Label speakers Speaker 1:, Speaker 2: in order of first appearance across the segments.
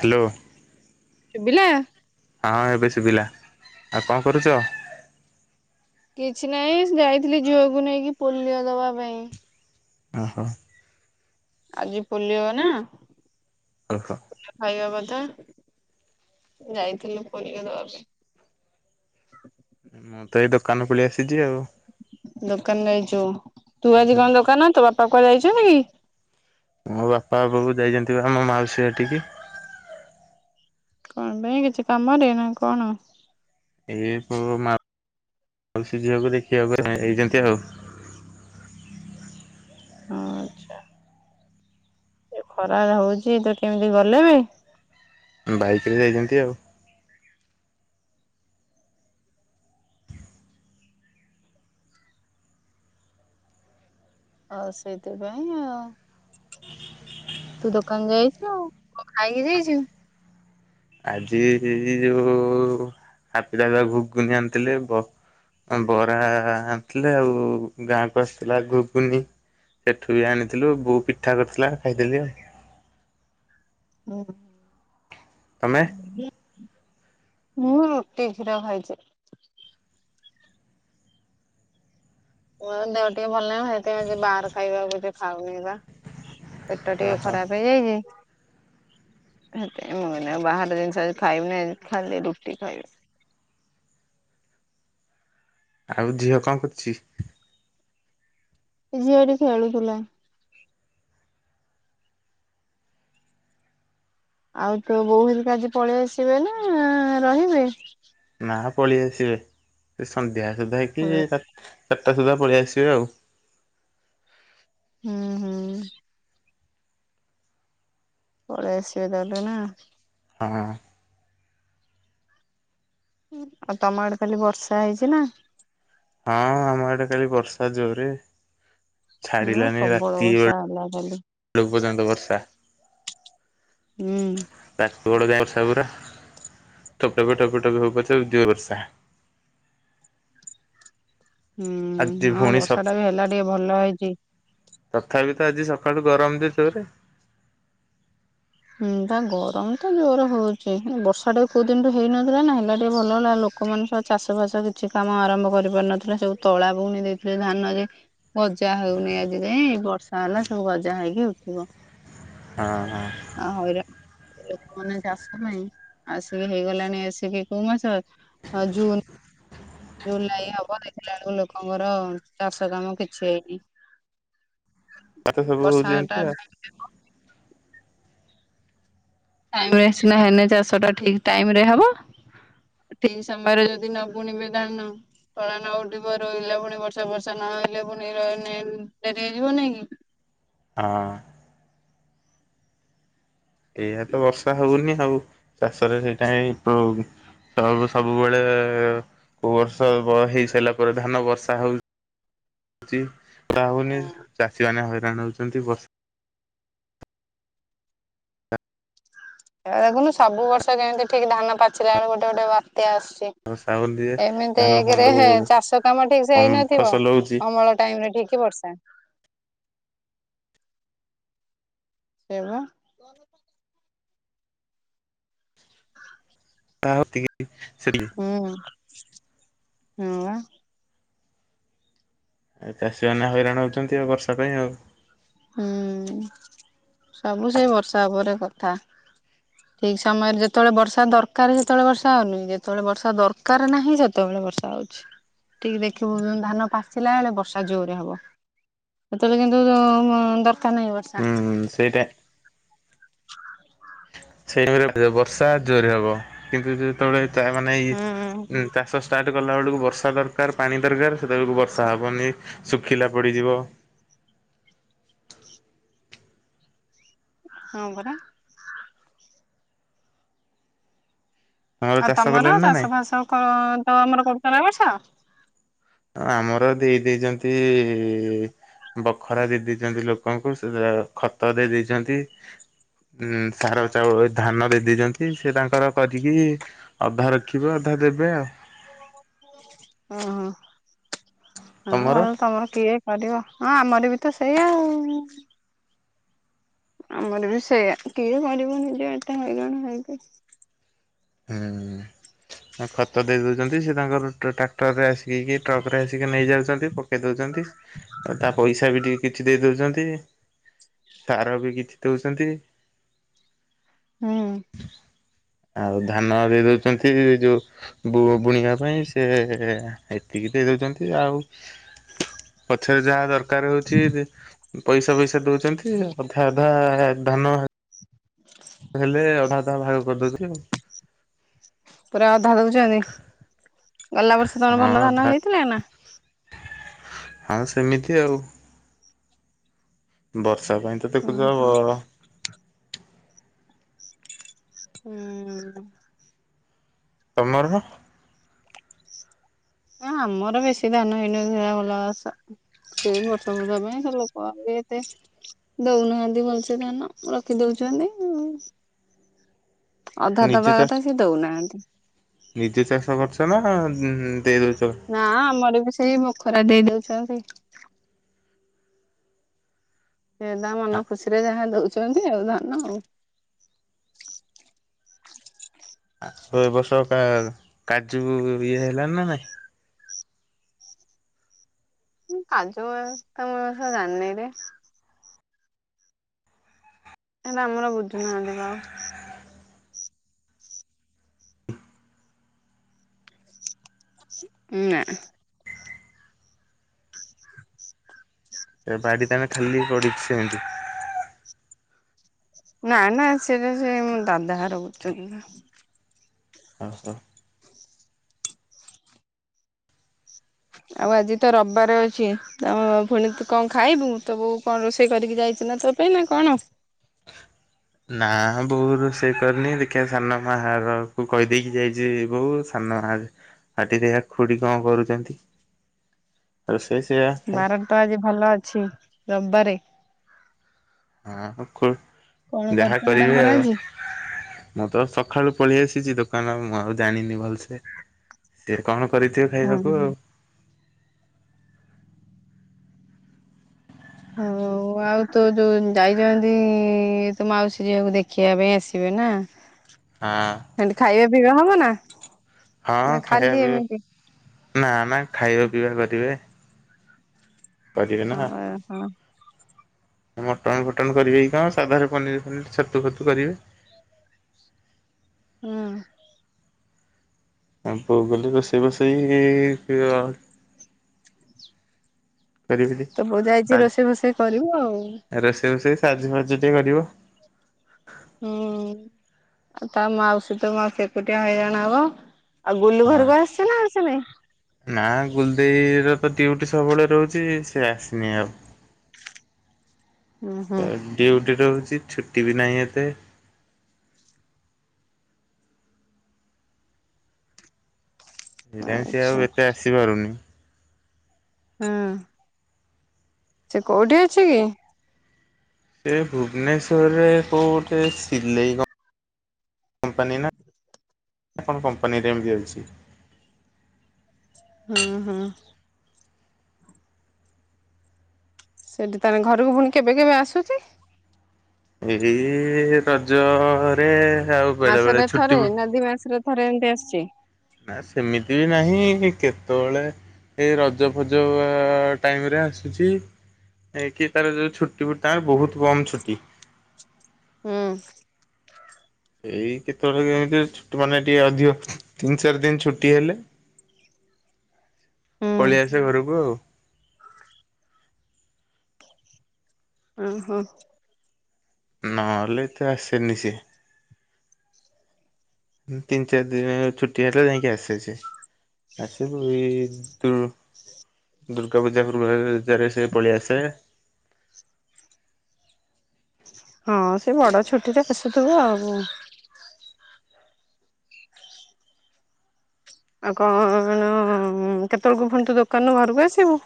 Speaker 1: Hello.
Speaker 2: ଶୁଭିଲା?
Speaker 1: ହଁ ଏବେ ଶୁଭିଲା। ଆଉ କଣ କରୁଚ?
Speaker 2: କିଛି ନାହିଁ ଯାଇଥିଲି ଝୁଅକୁ ନେଇକି ପୋଲିଓ ଦବା ପାଇଁ।
Speaker 1: ଓହୋ।
Speaker 2: ଆଜି ପୋଲିଓ ନା।
Speaker 1: ଓହୋ।
Speaker 2: ପୋଲିଓ ଖାଇବା କଥା। ଯାଇଥିଲି ପୋଲିଓ ଦବା ପାଇଁ।
Speaker 1: ମୁଁ ତ ଏଇ ଦୋକାନ ପଲେଇ ଆସିଛି ଆଉ।
Speaker 2: ଦୋକାନ ଯାଇଚୁ। ତୁ
Speaker 1: ହୁଁ
Speaker 2: ଆଜି
Speaker 1: ହୁଁ
Speaker 2: କଣ ଦୋକାନ ତୋ ବାପା କୁଆଡେ ଯାଇଚନ୍ତି କି?
Speaker 1: ମୋ ବାପା ବୋଉ ଯାଇଚନ୍ତି ବା ଆମ ମାଉସୀ ଘଟିକି।
Speaker 2: କଣ ପାଇଁ କିଛି କାମରେ ନା କଣ?
Speaker 1: ଏଇ ପୁଅ ମା ମାଉସୀ ଝିଅକୁ ଦେଖିବାକୁ ହେଇ ଯାଇଛନ୍ତି ଆଉ।
Speaker 2: ଆଚ୍ଛା। ଏ ଖରା ହଉଚି ତ କେମିତି ଗଲେ ବେ?
Speaker 1: ବାଇକ ରେ ଯାଇଚନ୍ତି ଆଉ।
Speaker 2: ଆଉ ସେଇଥିପାଇଁ ଆଉ। ତୁ ଦୋକାନ ଯାଇଚୁ କ ଖାଇକି ଯାଇଚୁ?
Speaker 1: ଆଜି ଯେ ଯେ ଯୋଉ ହାପି ଦାଦ ଘୁଗୁନି ଆଣିଥିଲେ ବ ବରା ଆଣିଥିଲେ ଆଉ ଗାଁକୁ ଆସିଥିଲା ଘୁଗୁନି। ସେଠୁ ବି ଆଣିଥିଲୁ ବୋଉ ପିଠା କରିଥିଲା ଖାଇଦେଲି ଆଉ।
Speaker 2: ଉଁ
Speaker 1: ତମେ
Speaker 2: ହୁଁ। ହୁଁ ଟିଭିର ଖାଇଚି। ମୋର ଦେହ ଟିକେ ଭଲ ନାହି ସେଇଥି ପାଇଁ ଆଜି ବାହାର ଖାଇବା କିଛି ଖାଉନି ପା। ପେଟ ଟିକେ
Speaker 1: ଓହୋ
Speaker 2: ଖରାପ ହେଇଯାଇଛି। ଏ ମୁଁ ଏନେ ବାହାର ଜିନିଷ ଖାଇବିନି ଖାଲି ରୁଟି ଖାଇବି।
Speaker 1: ଆଉ ଝିଅ କଣ କରୁଚି?
Speaker 2: ଏ ଝିଆ ଏଠି ଖେଳୁଥିଲା। ଆଉ ତ ବୋଉ ହେରିକା ଆଜି ପଳେଇ ଆସିବେ ନା ରହିବେ।
Speaker 1: ନା ପଳେଇ ଆସିବେ ସେ ସନ୍ଧ୍ୟା ସୁଦ୍ଧା କି
Speaker 2: ପଳେଇ
Speaker 1: ସାତ୍ ତୁଟା ସୁଦ୍ଧା ପଳେଇ ଆସିବେ ଆଉ।
Speaker 2: ହୁଁ ହୁଁ। ପଳେଇ ଆସିବେ ଦେବେ ନା।
Speaker 1: ହଁ ହଁ।
Speaker 2: ଆଉ ତମ ଆଡେ କାଲି ବର୍ଷା ହେଇଚି ନା?
Speaker 1: ହଁ ଆମ ଏଡେ କାଲି ବର୍ଷା ଜୋର୍ ରେ।
Speaker 2: ହଁ
Speaker 1: ଛାଡିଲାନି
Speaker 2: ପ୍ରବଳ
Speaker 1: ରାତି ବେଳ
Speaker 2: ବର୍ଷା ହେଲା କାଲି।
Speaker 1: ଜଉ ପର୍ଯ୍ୟନ୍ତ ବର୍ଷା।
Speaker 2: ହୁଁ।
Speaker 1: ତାକୁ ବଡ ଯାଏଁ ବର୍ଷା ପୁରା ଠୋପ ଠୋପେ ଠୋପେ ଠୋପେ ହଉ ପଛେ ଜୁର୍ ବର୍ଷା।
Speaker 2: ହୁଁ
Speaker 1: ଆଜି
Speaker 2: ହଁ
Speaker 1: ପୁଣି ସ
Speaker 2: ବର୍ଷା ଟା ବି ହେଲା ଟିକେ ଭଲ ହେଇଚି।
Speaker 1: ତଥାପି ତ ଆଜି ସକାଳୁ ଗରମ ଯେ ଜୋର୍ ରେ।
Speaker 2: ହୁଁ ତା ଗରମ ତ ଜୋର ହଉଚି ବର୍ଷା ଟା ବହୁ ଦିନୁରୁ ହେଇନଥିଲା ନା ହେଲା ଟିକେ ଭଲ ହେଲା ଲୋକମାନେ ସ ଚାଷ ବାସ କିଛି କାମ ଆରମ୍ଭ କରିପାରୁ ନଥିଲେ ସବୁ ତଳା ବୁଣି ଦେଇଥିଲେ ଧାନ ରେ। ଗଜା ହଉନି ଆଜି ଯାଏଁ ବର୍ଷା ହେଲା ସବୁ ଗଜା ହେଇକି ଉଠିବ।
Speaker 1: ହଁ ହଁ।
Speaker 2: ଆ ହଇରା ଲୋକମାନେ ଚାଷ ପାଇଁ ଆସିକି ହେଇଗଲାଣି ଆସିକି କୋଉ ମାସ ହ ଜୁନ୍ ଜୁଲାଇ ହବ ଦେଖିଲା ବେଳକୁ ଲୋକଙ୍କର ଚାଷ କାମ କିଛି ହେଇନି।
Speaker 1: ପାଠ ସବୁ ହଉ
Speaker 2: ବର୍ଷା ଟା
Speaker 1: ଏମତିଆ।
Speaker 2: ଟାଇମ ସିନା ହେନ ଚାଷ ଟା ଠିକ ଟାଇମ ରେ ହବ। ଠିକ ସମୟରେ ଯଦି ନ ବୁଣିବେ ଧାନ ଫଳ ନ ଉଠିବ ରହିଲା ପୁଣି ବର୍ଷା ବର୍ଷା ନହଲେ ପୁଣି ରନ ଡେରି ହେଇଯିବ ନାଇଁ କି।
Speaker 1: ହଁ। ଏଇଆ ତ ବର୍ଷା ହଉନି ଆଉ ଚାଷରେ ସେଇଟା ସବୁ ସବୁବେଳେ କୋଉ ବର୍ଷ ହେଇ ସାରିଲା ପରେ ଧାନ ବର୍ଷା ହଉ ଚି। କା ହଉନି ଚାଷୀମାନୋନେ ହଇରାଣ ହଉଛନ୍ତି ବ
Speaker 2: ଏ ଦେଖୁନୁ ସବୁ ବର୍ଷ କେମିତି ଠିକ ଧାନ ପାଚିଲା ବେଳକୁ ଗୋଟେ ଗୋଟେ ବାତ୍ୟା ଆସୁଛି।
Speaker 1: ବର୍ଷା ହଉନି ଯେ ଧାନ ଫାନ
Speaker 2: ଏମିତିରେ ଚାଷ କାମ ଠିକ ସେ
Speaker 1: କମ
Speaker 2: ହେଇନଥିବ।
Speaker 1: ଫସଲ ହଉଛି
Speaker 2: ଅମଳ ଟାଇମ ରେ ଠିକି ବର୍ଷା। ସେବ [inaudible]
Speaker 1: ଆତିକି ସେିଲି [inaudible]
Speaker 2: ହୁଁହୁଁ ହଁ ବା।
Speaker 1: ଚାଷୀମାନେ ହଇରାଣ ହୋଉଚନ୍ତି ଆଉ ବର୍ଷା ପାଇଁ ଆଉ।
Speaker 2: ହୁଁ ସବୁ ସେ ବର୍ଷା ଉପରେ କଥା।
Speaker 1: [inaudible]
Speaker 2: ଠିକ ସମୟରେ ଯେତେବେଳେ ବର୍ଷା ଦରକାର ସେତେବେଳେ ବର୍ଷା ହଉନି ଯେତେବେଳେ ବର୍ଷା ଦରକାର ନାହିଁ ସେତେବେଳେ ବର୍ଷା ହଉଛି। ଟିକେ ଦେଖିବୁ ଉଁ ଧାନ ପାଚିଲା ବେଳେ ବର୍ଷା ଜୋରେ ହବ। ସେତେବେଳେ କିନ୍ତୁ ଉଁ ଉଁମ ଦରକାର ନାହିଁ ବର୍ଷା।
Speaker 1: ହୁଁ ସେଇଟା। ସେଇ [unintelligible] ବର୍ଷା ଜୋରେ ହବ କିନ୍ତୁ ଯେତେବେଳେ ତା ମାନେ
Speaker 2: ହୁଁ
Speaker 1: ଇଏ ଚାଷ ଷ୍ଟାର୍ଟ ସେତେ ଗଲା ବେଳକୁ ବର୍ଷା ଦରକାର ପାଣି ଦରକାର ସେତେବେଳକୁ ବର୍ଷା ହବନି ଶୁଖିଲା ପଡିଯିବ।
Speaker 2: ହଁ ପରା।
Speaker 1: ଆମର
Speaker 2: ଆଉ
Speaker 1: ଚାଷ
Speaker 2: ତମର
Speaker 1: କଲେଣି ନା ନାଇଁ
Speaker 2: ଚାଷ ବାସ କ ତମର କରୁଛ ନାଁ ଏ ବର୍ଷ।
Speaker 1: ଆମର ଦେଇ ଦେଇେ ଦେଇଛନ୍ତି। ବଖରା ଦେଇ ଦେଇେ ଦେଇଛନ୍ତି ଲୋକଙ୍କୁ ସେ ଯୋଉ ଖତ ଦେଇ ଦେଇଛନ୍ତି। ହୁଁ ସାର ଚାଉଳ ଧାନ ଦେଇ ଦେଇଛନ୍ତି ସେ ତାଙ୍କର କରିକି ଅଧା ରଖିବେ ଅଧା ଦେବେ ଆଉ।
Speaker 2: ଓହୋ ହଁ
Speaker 1: ତମର?
Speaker 2: [unintelligible] ତମର କିଏ? କରିବ ହଁ ଆମର ବି ତ ସେଇଆ ଆଉ। ଆମର ବି ସେଇଆା କିଏ କରିବ ନିଯେ ଏତେ ହଇରାଣ ହେଇକି।
Speaker 1: ହୁଁ ଖତ ଦେଇଦଉଛନ୍ତି ସେ ତାଙ୍କର ଟ୍ରାକ୍ଟର ରେ ଆସି ପକେଇକି ଟ୍ରକ ରେ ଆସିକି ନେଇଯାଉଛନ୍ତି ପକେଇ ଦଉଛନ୍ତି ଆଉ ତା ପଇସା ବି ଟିକେ କିଛି ଦେଇ ଦଉଛନ୍ତି ସାର ବି କିଛି ଦଉଛନ୍ତି।
Speaker 2: ହୁଁ।
Speaker 1: ଆଉ ଧାନ ଦେଇ ଦଉଚନ୍ତି ଯୋଉ ବୁ ବୁଣିବା ପାଇଁ ସେ ଏତିକି ଦେଇ ଦଉଛନ୍ତି ଆଉ ପଛରେ ଯାହା ଦରକାର ହଉଛି ପଇସା ଫଇସା ଦଉଛନ୍ତି ଅଧା ଅଧା ଧାନ ହେଲେ ଅଧା ଅଧା ଭାଗ କରିଦଉଥିଲେ ଆଉ।
Speaker 2: ପୁରା ଅଧା ଦଉଚନି ଗଲା ବର୍ଷେ ତମର
Speaker 1: ହଁ
Speaker 2: ଭଲ
Speaker 1: ଧା
Speaker 2: ଧାନ ହେଇଥିଲା ନା।
Speaker 1: ହଁ ସେମିତି ଆଉ। ବର୍ଷା ପାଇଁ ତ ଦେଖୁଚ
Speaker 2: ଓହୋ ଉଁ ହୁଁ।
Speaker 1: ତମର।
Speaker 2: ହ ଆମର ବେଶୀ ଧାନ ହେଇନି [unintelligible] ସେ ଭଲବାସ ସେଇ ବର୍ଷା ଫର୍ଷା ପାଇଁ ସେ ଲୋକ କିଏ ଏତେ ଦଉନାହାନ୍ତି ଭଲସେ ଧାନ ରଖି ଦଉଚନ୍ତି ଉଁ ଅଧା
Speaker 1: ନିଜେ
Speaker 2: ଦବା
Speaker 1: ଚା
Speaker 2: କଥା ସେ ଦଉନାହାନ୍ତି।
Speaker 1: ନିଜେ ଚାଷ କରୁଛ ନା ଉଁ ଦେଇ ଦଉଚ?
Speaker 2: ନା ଆମର ବି ସେଇ ବଖରା ଦେଇ ଦଉଛନ୍ତି ସେ ତାଙ୍କ ମନ ଖୁସିରେ ଯାହା ଦଉଛନ୍ତି ଆଉ ଧନ ଆଉ।
Speaker 1: ଆଉ ଏ ବର୍ଷ କା କାଜୁ ଇଏ ହେଲଣିି ନା ନାଇଁ?
Speaker 2: କାଜୁ [unintelligible] ତ ମୁ ଜାଣିନି ରେ। ଆମର ବୁଝୁନାହାନ୍ତି ପା ଆଉ। ନାଁ
Speaker 1: ସେ ବାଡ଼ି ତାହେଲେ ଖାଲି ପଡ଼ିଛି ସେମିତି।
Speaker 2: ନା ନା ସେଟା ସେ ମୋ ଦାଦା ଘର ବୁଝୁଛନ୍ତି।
Speaker 1: ଓହୋ।
Speaker 2: ଆଉ ଆଜି ତ ରବିବାର ଅଛି ତମ ପୁଣି ତୁ କଣ ଖାଇବୁ ତୋ ବୋଉ କଣ ରୋଷେଇ କରିକି ଯାଇଛି ନା ତୋ ପାଇଁ ପାଇଁ ନା କଣ?
Speaker 1: ନା ବୋଉ ରୋଷେଇ କରିନି ଦେଖିଆ ସାନମା ଘର କୁ କହିଦେଇକି ଯାଇଚି ବୋଉ। ହଟିରେ ଖୁଡ଼ି କଣ କରୁଛନ୍ତି? ରୋଷେଇ ସେଇଆ ଖାଇ
Speaker 2: ବାର ତ ଆଜି ଭଲ ଅଛି ରବିବାରେ।
Speaker 1: ହଁ ଖୁ
Speaker 2: କଣ
Speaker 1: -ଯାହା
Speaker 2: କରୁଛନ୍ତି
Speaker 1: କରିବେ
Speaker 2: ତାଙ୍କର
Speaker 1: ଆଉ।
Speaker 2: ଆଜି?
Speaker 1: ମୁଁ ତ ସକାଳୁ ପଳେଇ ଆସିଛି ଦୋକାନ ମୁଁ ଆଉ ଜାଣିନି ଭଲସେ। ଟିକେ କଣ କରିଥିବେ
Speaker 2: ହଁ
Speaker 1: ଖାଇବାକୁ ଆଉ।
Speaker 2: ହଁ ଆଉ ତୋ ଯୋଉ ଯାଇଛନ୍ତି ତୋ ମାଉସୀ ଝିଅକୁ ଦେଖିବା ପାଇଁ ଆସିବେ ନା?
Speaker 1: ହଁ।
Speaker 2: ତାହେଲେ ଖାଇବା ପିଇବା ହବ ନା,
Speaker 1: ହଁ
Speaker 2: ନା
Speaker 1: ଖାଇବା
Speaker 2: ଖାଲି
Speaker 1: ପିଇବା
Speaker 2: ଏମିତି?
Speaker 1: ନା ନା ଖାଇବା ପିଇବା କରିବେ। କରିବେ ନା।
Speaker 2: ହଁ, ହଁ।
Speaker 1: ମଟନ ଫଟନ କରିବେ କି କଣ ସାଧାରେ ପନିର ପନିର ଛତୁ ଫତୁ କରିବେ।
Speaker 2: ହୁଁ।
Speaker 1: ହବ ବୋଲି ରୋଷେଇ ଫୋଷେଇ କରିବିନି।
Speaker 2: ତ ବୋଉ ଯାଇଛି
Speaker 1: ସାଜ
Speaker 2: ରୋଷେଇ ଫୋଷେଇ କରିବ ଆଉ।
Speaker 1: ରୋଷେଇ ଫୋଷେଇ ସାହାଯ୍ୟ ଫାହାଜ୍ୟ ଟିକେ କରିବ।
Speaker 2: ହୁଁ ଆଉ ତା ମାଉସୀ ତ ମାଉ ସେକୁଟିଆ ହଇରାଣ ହବ। ଆଉ ଗୁଲୁ
Speaker 1: ହଁ।
Speaker 2: ଘରକୁ ଆସିଛି ନା ଆସିନି?
Speaker 1: ନା ଗୁଲଦେଇ ର ତ ଡିୟୁଟି ସବୁବେଳେ ରହୁଛି ସେ ଆସିନି ଆଉ।
Speaker 2: ହୁଁ ହୁଁ
Speaker 1: ଡିୟୁଟି ରଉଛି ଛୁଟି ବି ନାହିଁ ଏତେ। ଏଟାଇ ସେ
Speaker 2: ଆଚ୍ଛା
Speaker 1: ଆଉ ଏତେ ଆସିପାରୁନି।
Speaker 2: ହଁ। ସେ କୋଉଠି ଅଛି କି?
Speaker 1: ସେ ଭୁବନେଶ୍ୱରରେ କୋଉଠେ ସିଲେଇ କମ୍ପାନୀ ନା କଣ କମ୍ପାନୀରେ ଏମିତି ଅଛି।
Speaker 2: ହୁଁ, ହୁଁ। ସେଇଠି ତାହେଲେ ଘରକୁ ପୁଣି କେବେ କେବେ ଆସୁଛି?
Speaker 1: ଏହି ରଜରେ ଆଉ ବେଳେ ବେଳେ
Speaker 2: ମାସରେ
Speaker 1: ଛୁଟି
Speaker 2: ଥରେ ନା ଦି ମାସରେ ଥରେ ଏମତି ଆସୁଛି?
Speaker 1: ନା ସେମିତି ବି ନାହିଁ କେତେବେଳେ ଏଇ ରଜ ଫଜ ଟାଇମ ରେ ଆସୁଛି। ଏ କି ତାର ଯୋଉ ଛୁଟି ତାର ବହୁତ କମ ଛୁଟି।
Speaker 2: ହୁଁ।
Speaker 1: ଏଇ କେତେବେଳେ କେମିତି ଛୁଟି ମାନେ ଟିକେ ଅଧିକ ତିନି ଚାରି ଦିନ ଛୁଟି ହେଲେ।
Speaker 2: ହୁଁ
Speaker 1: ପଳେଇ ଆସେ ଘରକୁ ଆଉ।
Speaker 2: ଓହୋ!
Speaker 1: ନହେଲେ ତ ଆସେନି ସିଏ। ତିନି, ଚାରି ଦିନ ଛୁଟି ହେଲେ ଯାଇକି ଆସେ ସିଏ। ଆସିବୁ ଏଇ ତୁ ଦୁର୍ଗା ପୂଜା [unintelligible] ସେ ପଳେଇଆସେ।
Speaker 2: ହଁ, ସେ ବଡ଼ ଛୁଟି ରେ ଆସୁଥିବ ଆଉ। ଆଉ କଣ କେତେବେଳକୁ ଫୁଣି ତୁ ଦୋକାନରୁ ଘରକୁ ଆସିବୁ?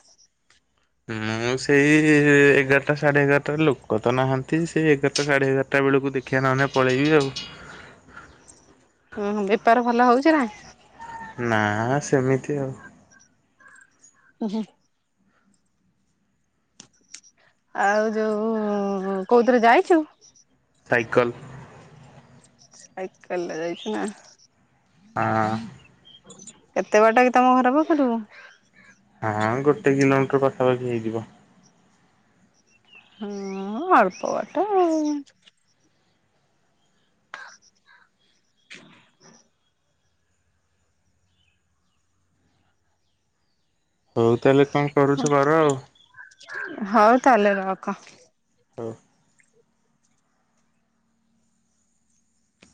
Speaker 1: ମୁଁ ସେଇ ଏଗାରଟା ସାଢେ ଏଗାରଟାରେ ଲୋକ ତ ନାହାନ୍ତି ସେଇ ଏଗାର ଟା ସାଢେ ଏଗାରଟା ବେଳକୁ ଦେଖିଆ ନହେଲେ ପଳେଇବି ଆଉ।
Speaker 2: ଓହୋ! ବେପାର ଭଲ ହଉଛି ନା?
Speaker 1: ନା, ସେମିତି ଆଉ।
Speaker 2: ଉହୁଁ ଆଉ ଯୋଉ କୋଉଥିରେ ଯାଇଛୁ?
Speaker 1: ସାଇକଲ।
Speaker 2: ସାଇକଲ ରେ ଯାଇଛୁ ନା,
Speaker 1: ଆଁ।
Speaker 2: କେତେ ବାଟ କି ତମ ଘର ପାଖରୁ?
Speaker 1: ହଁ ଗୋଟେ କିଲୋମିଟର ପାଖାପାଖି ହେଇଯିବ।
Speaker 2: ହଁ ଅଳ୍ପ ବାଟ ଆଉ।
Speaker 1: ହଉ ତାହେଲେ କଣ କରୁଛ କର ଆଉ।
Speaker 2: ହଉ ତାହେଲେ ରଖ।
Speaker 1: ହଉ।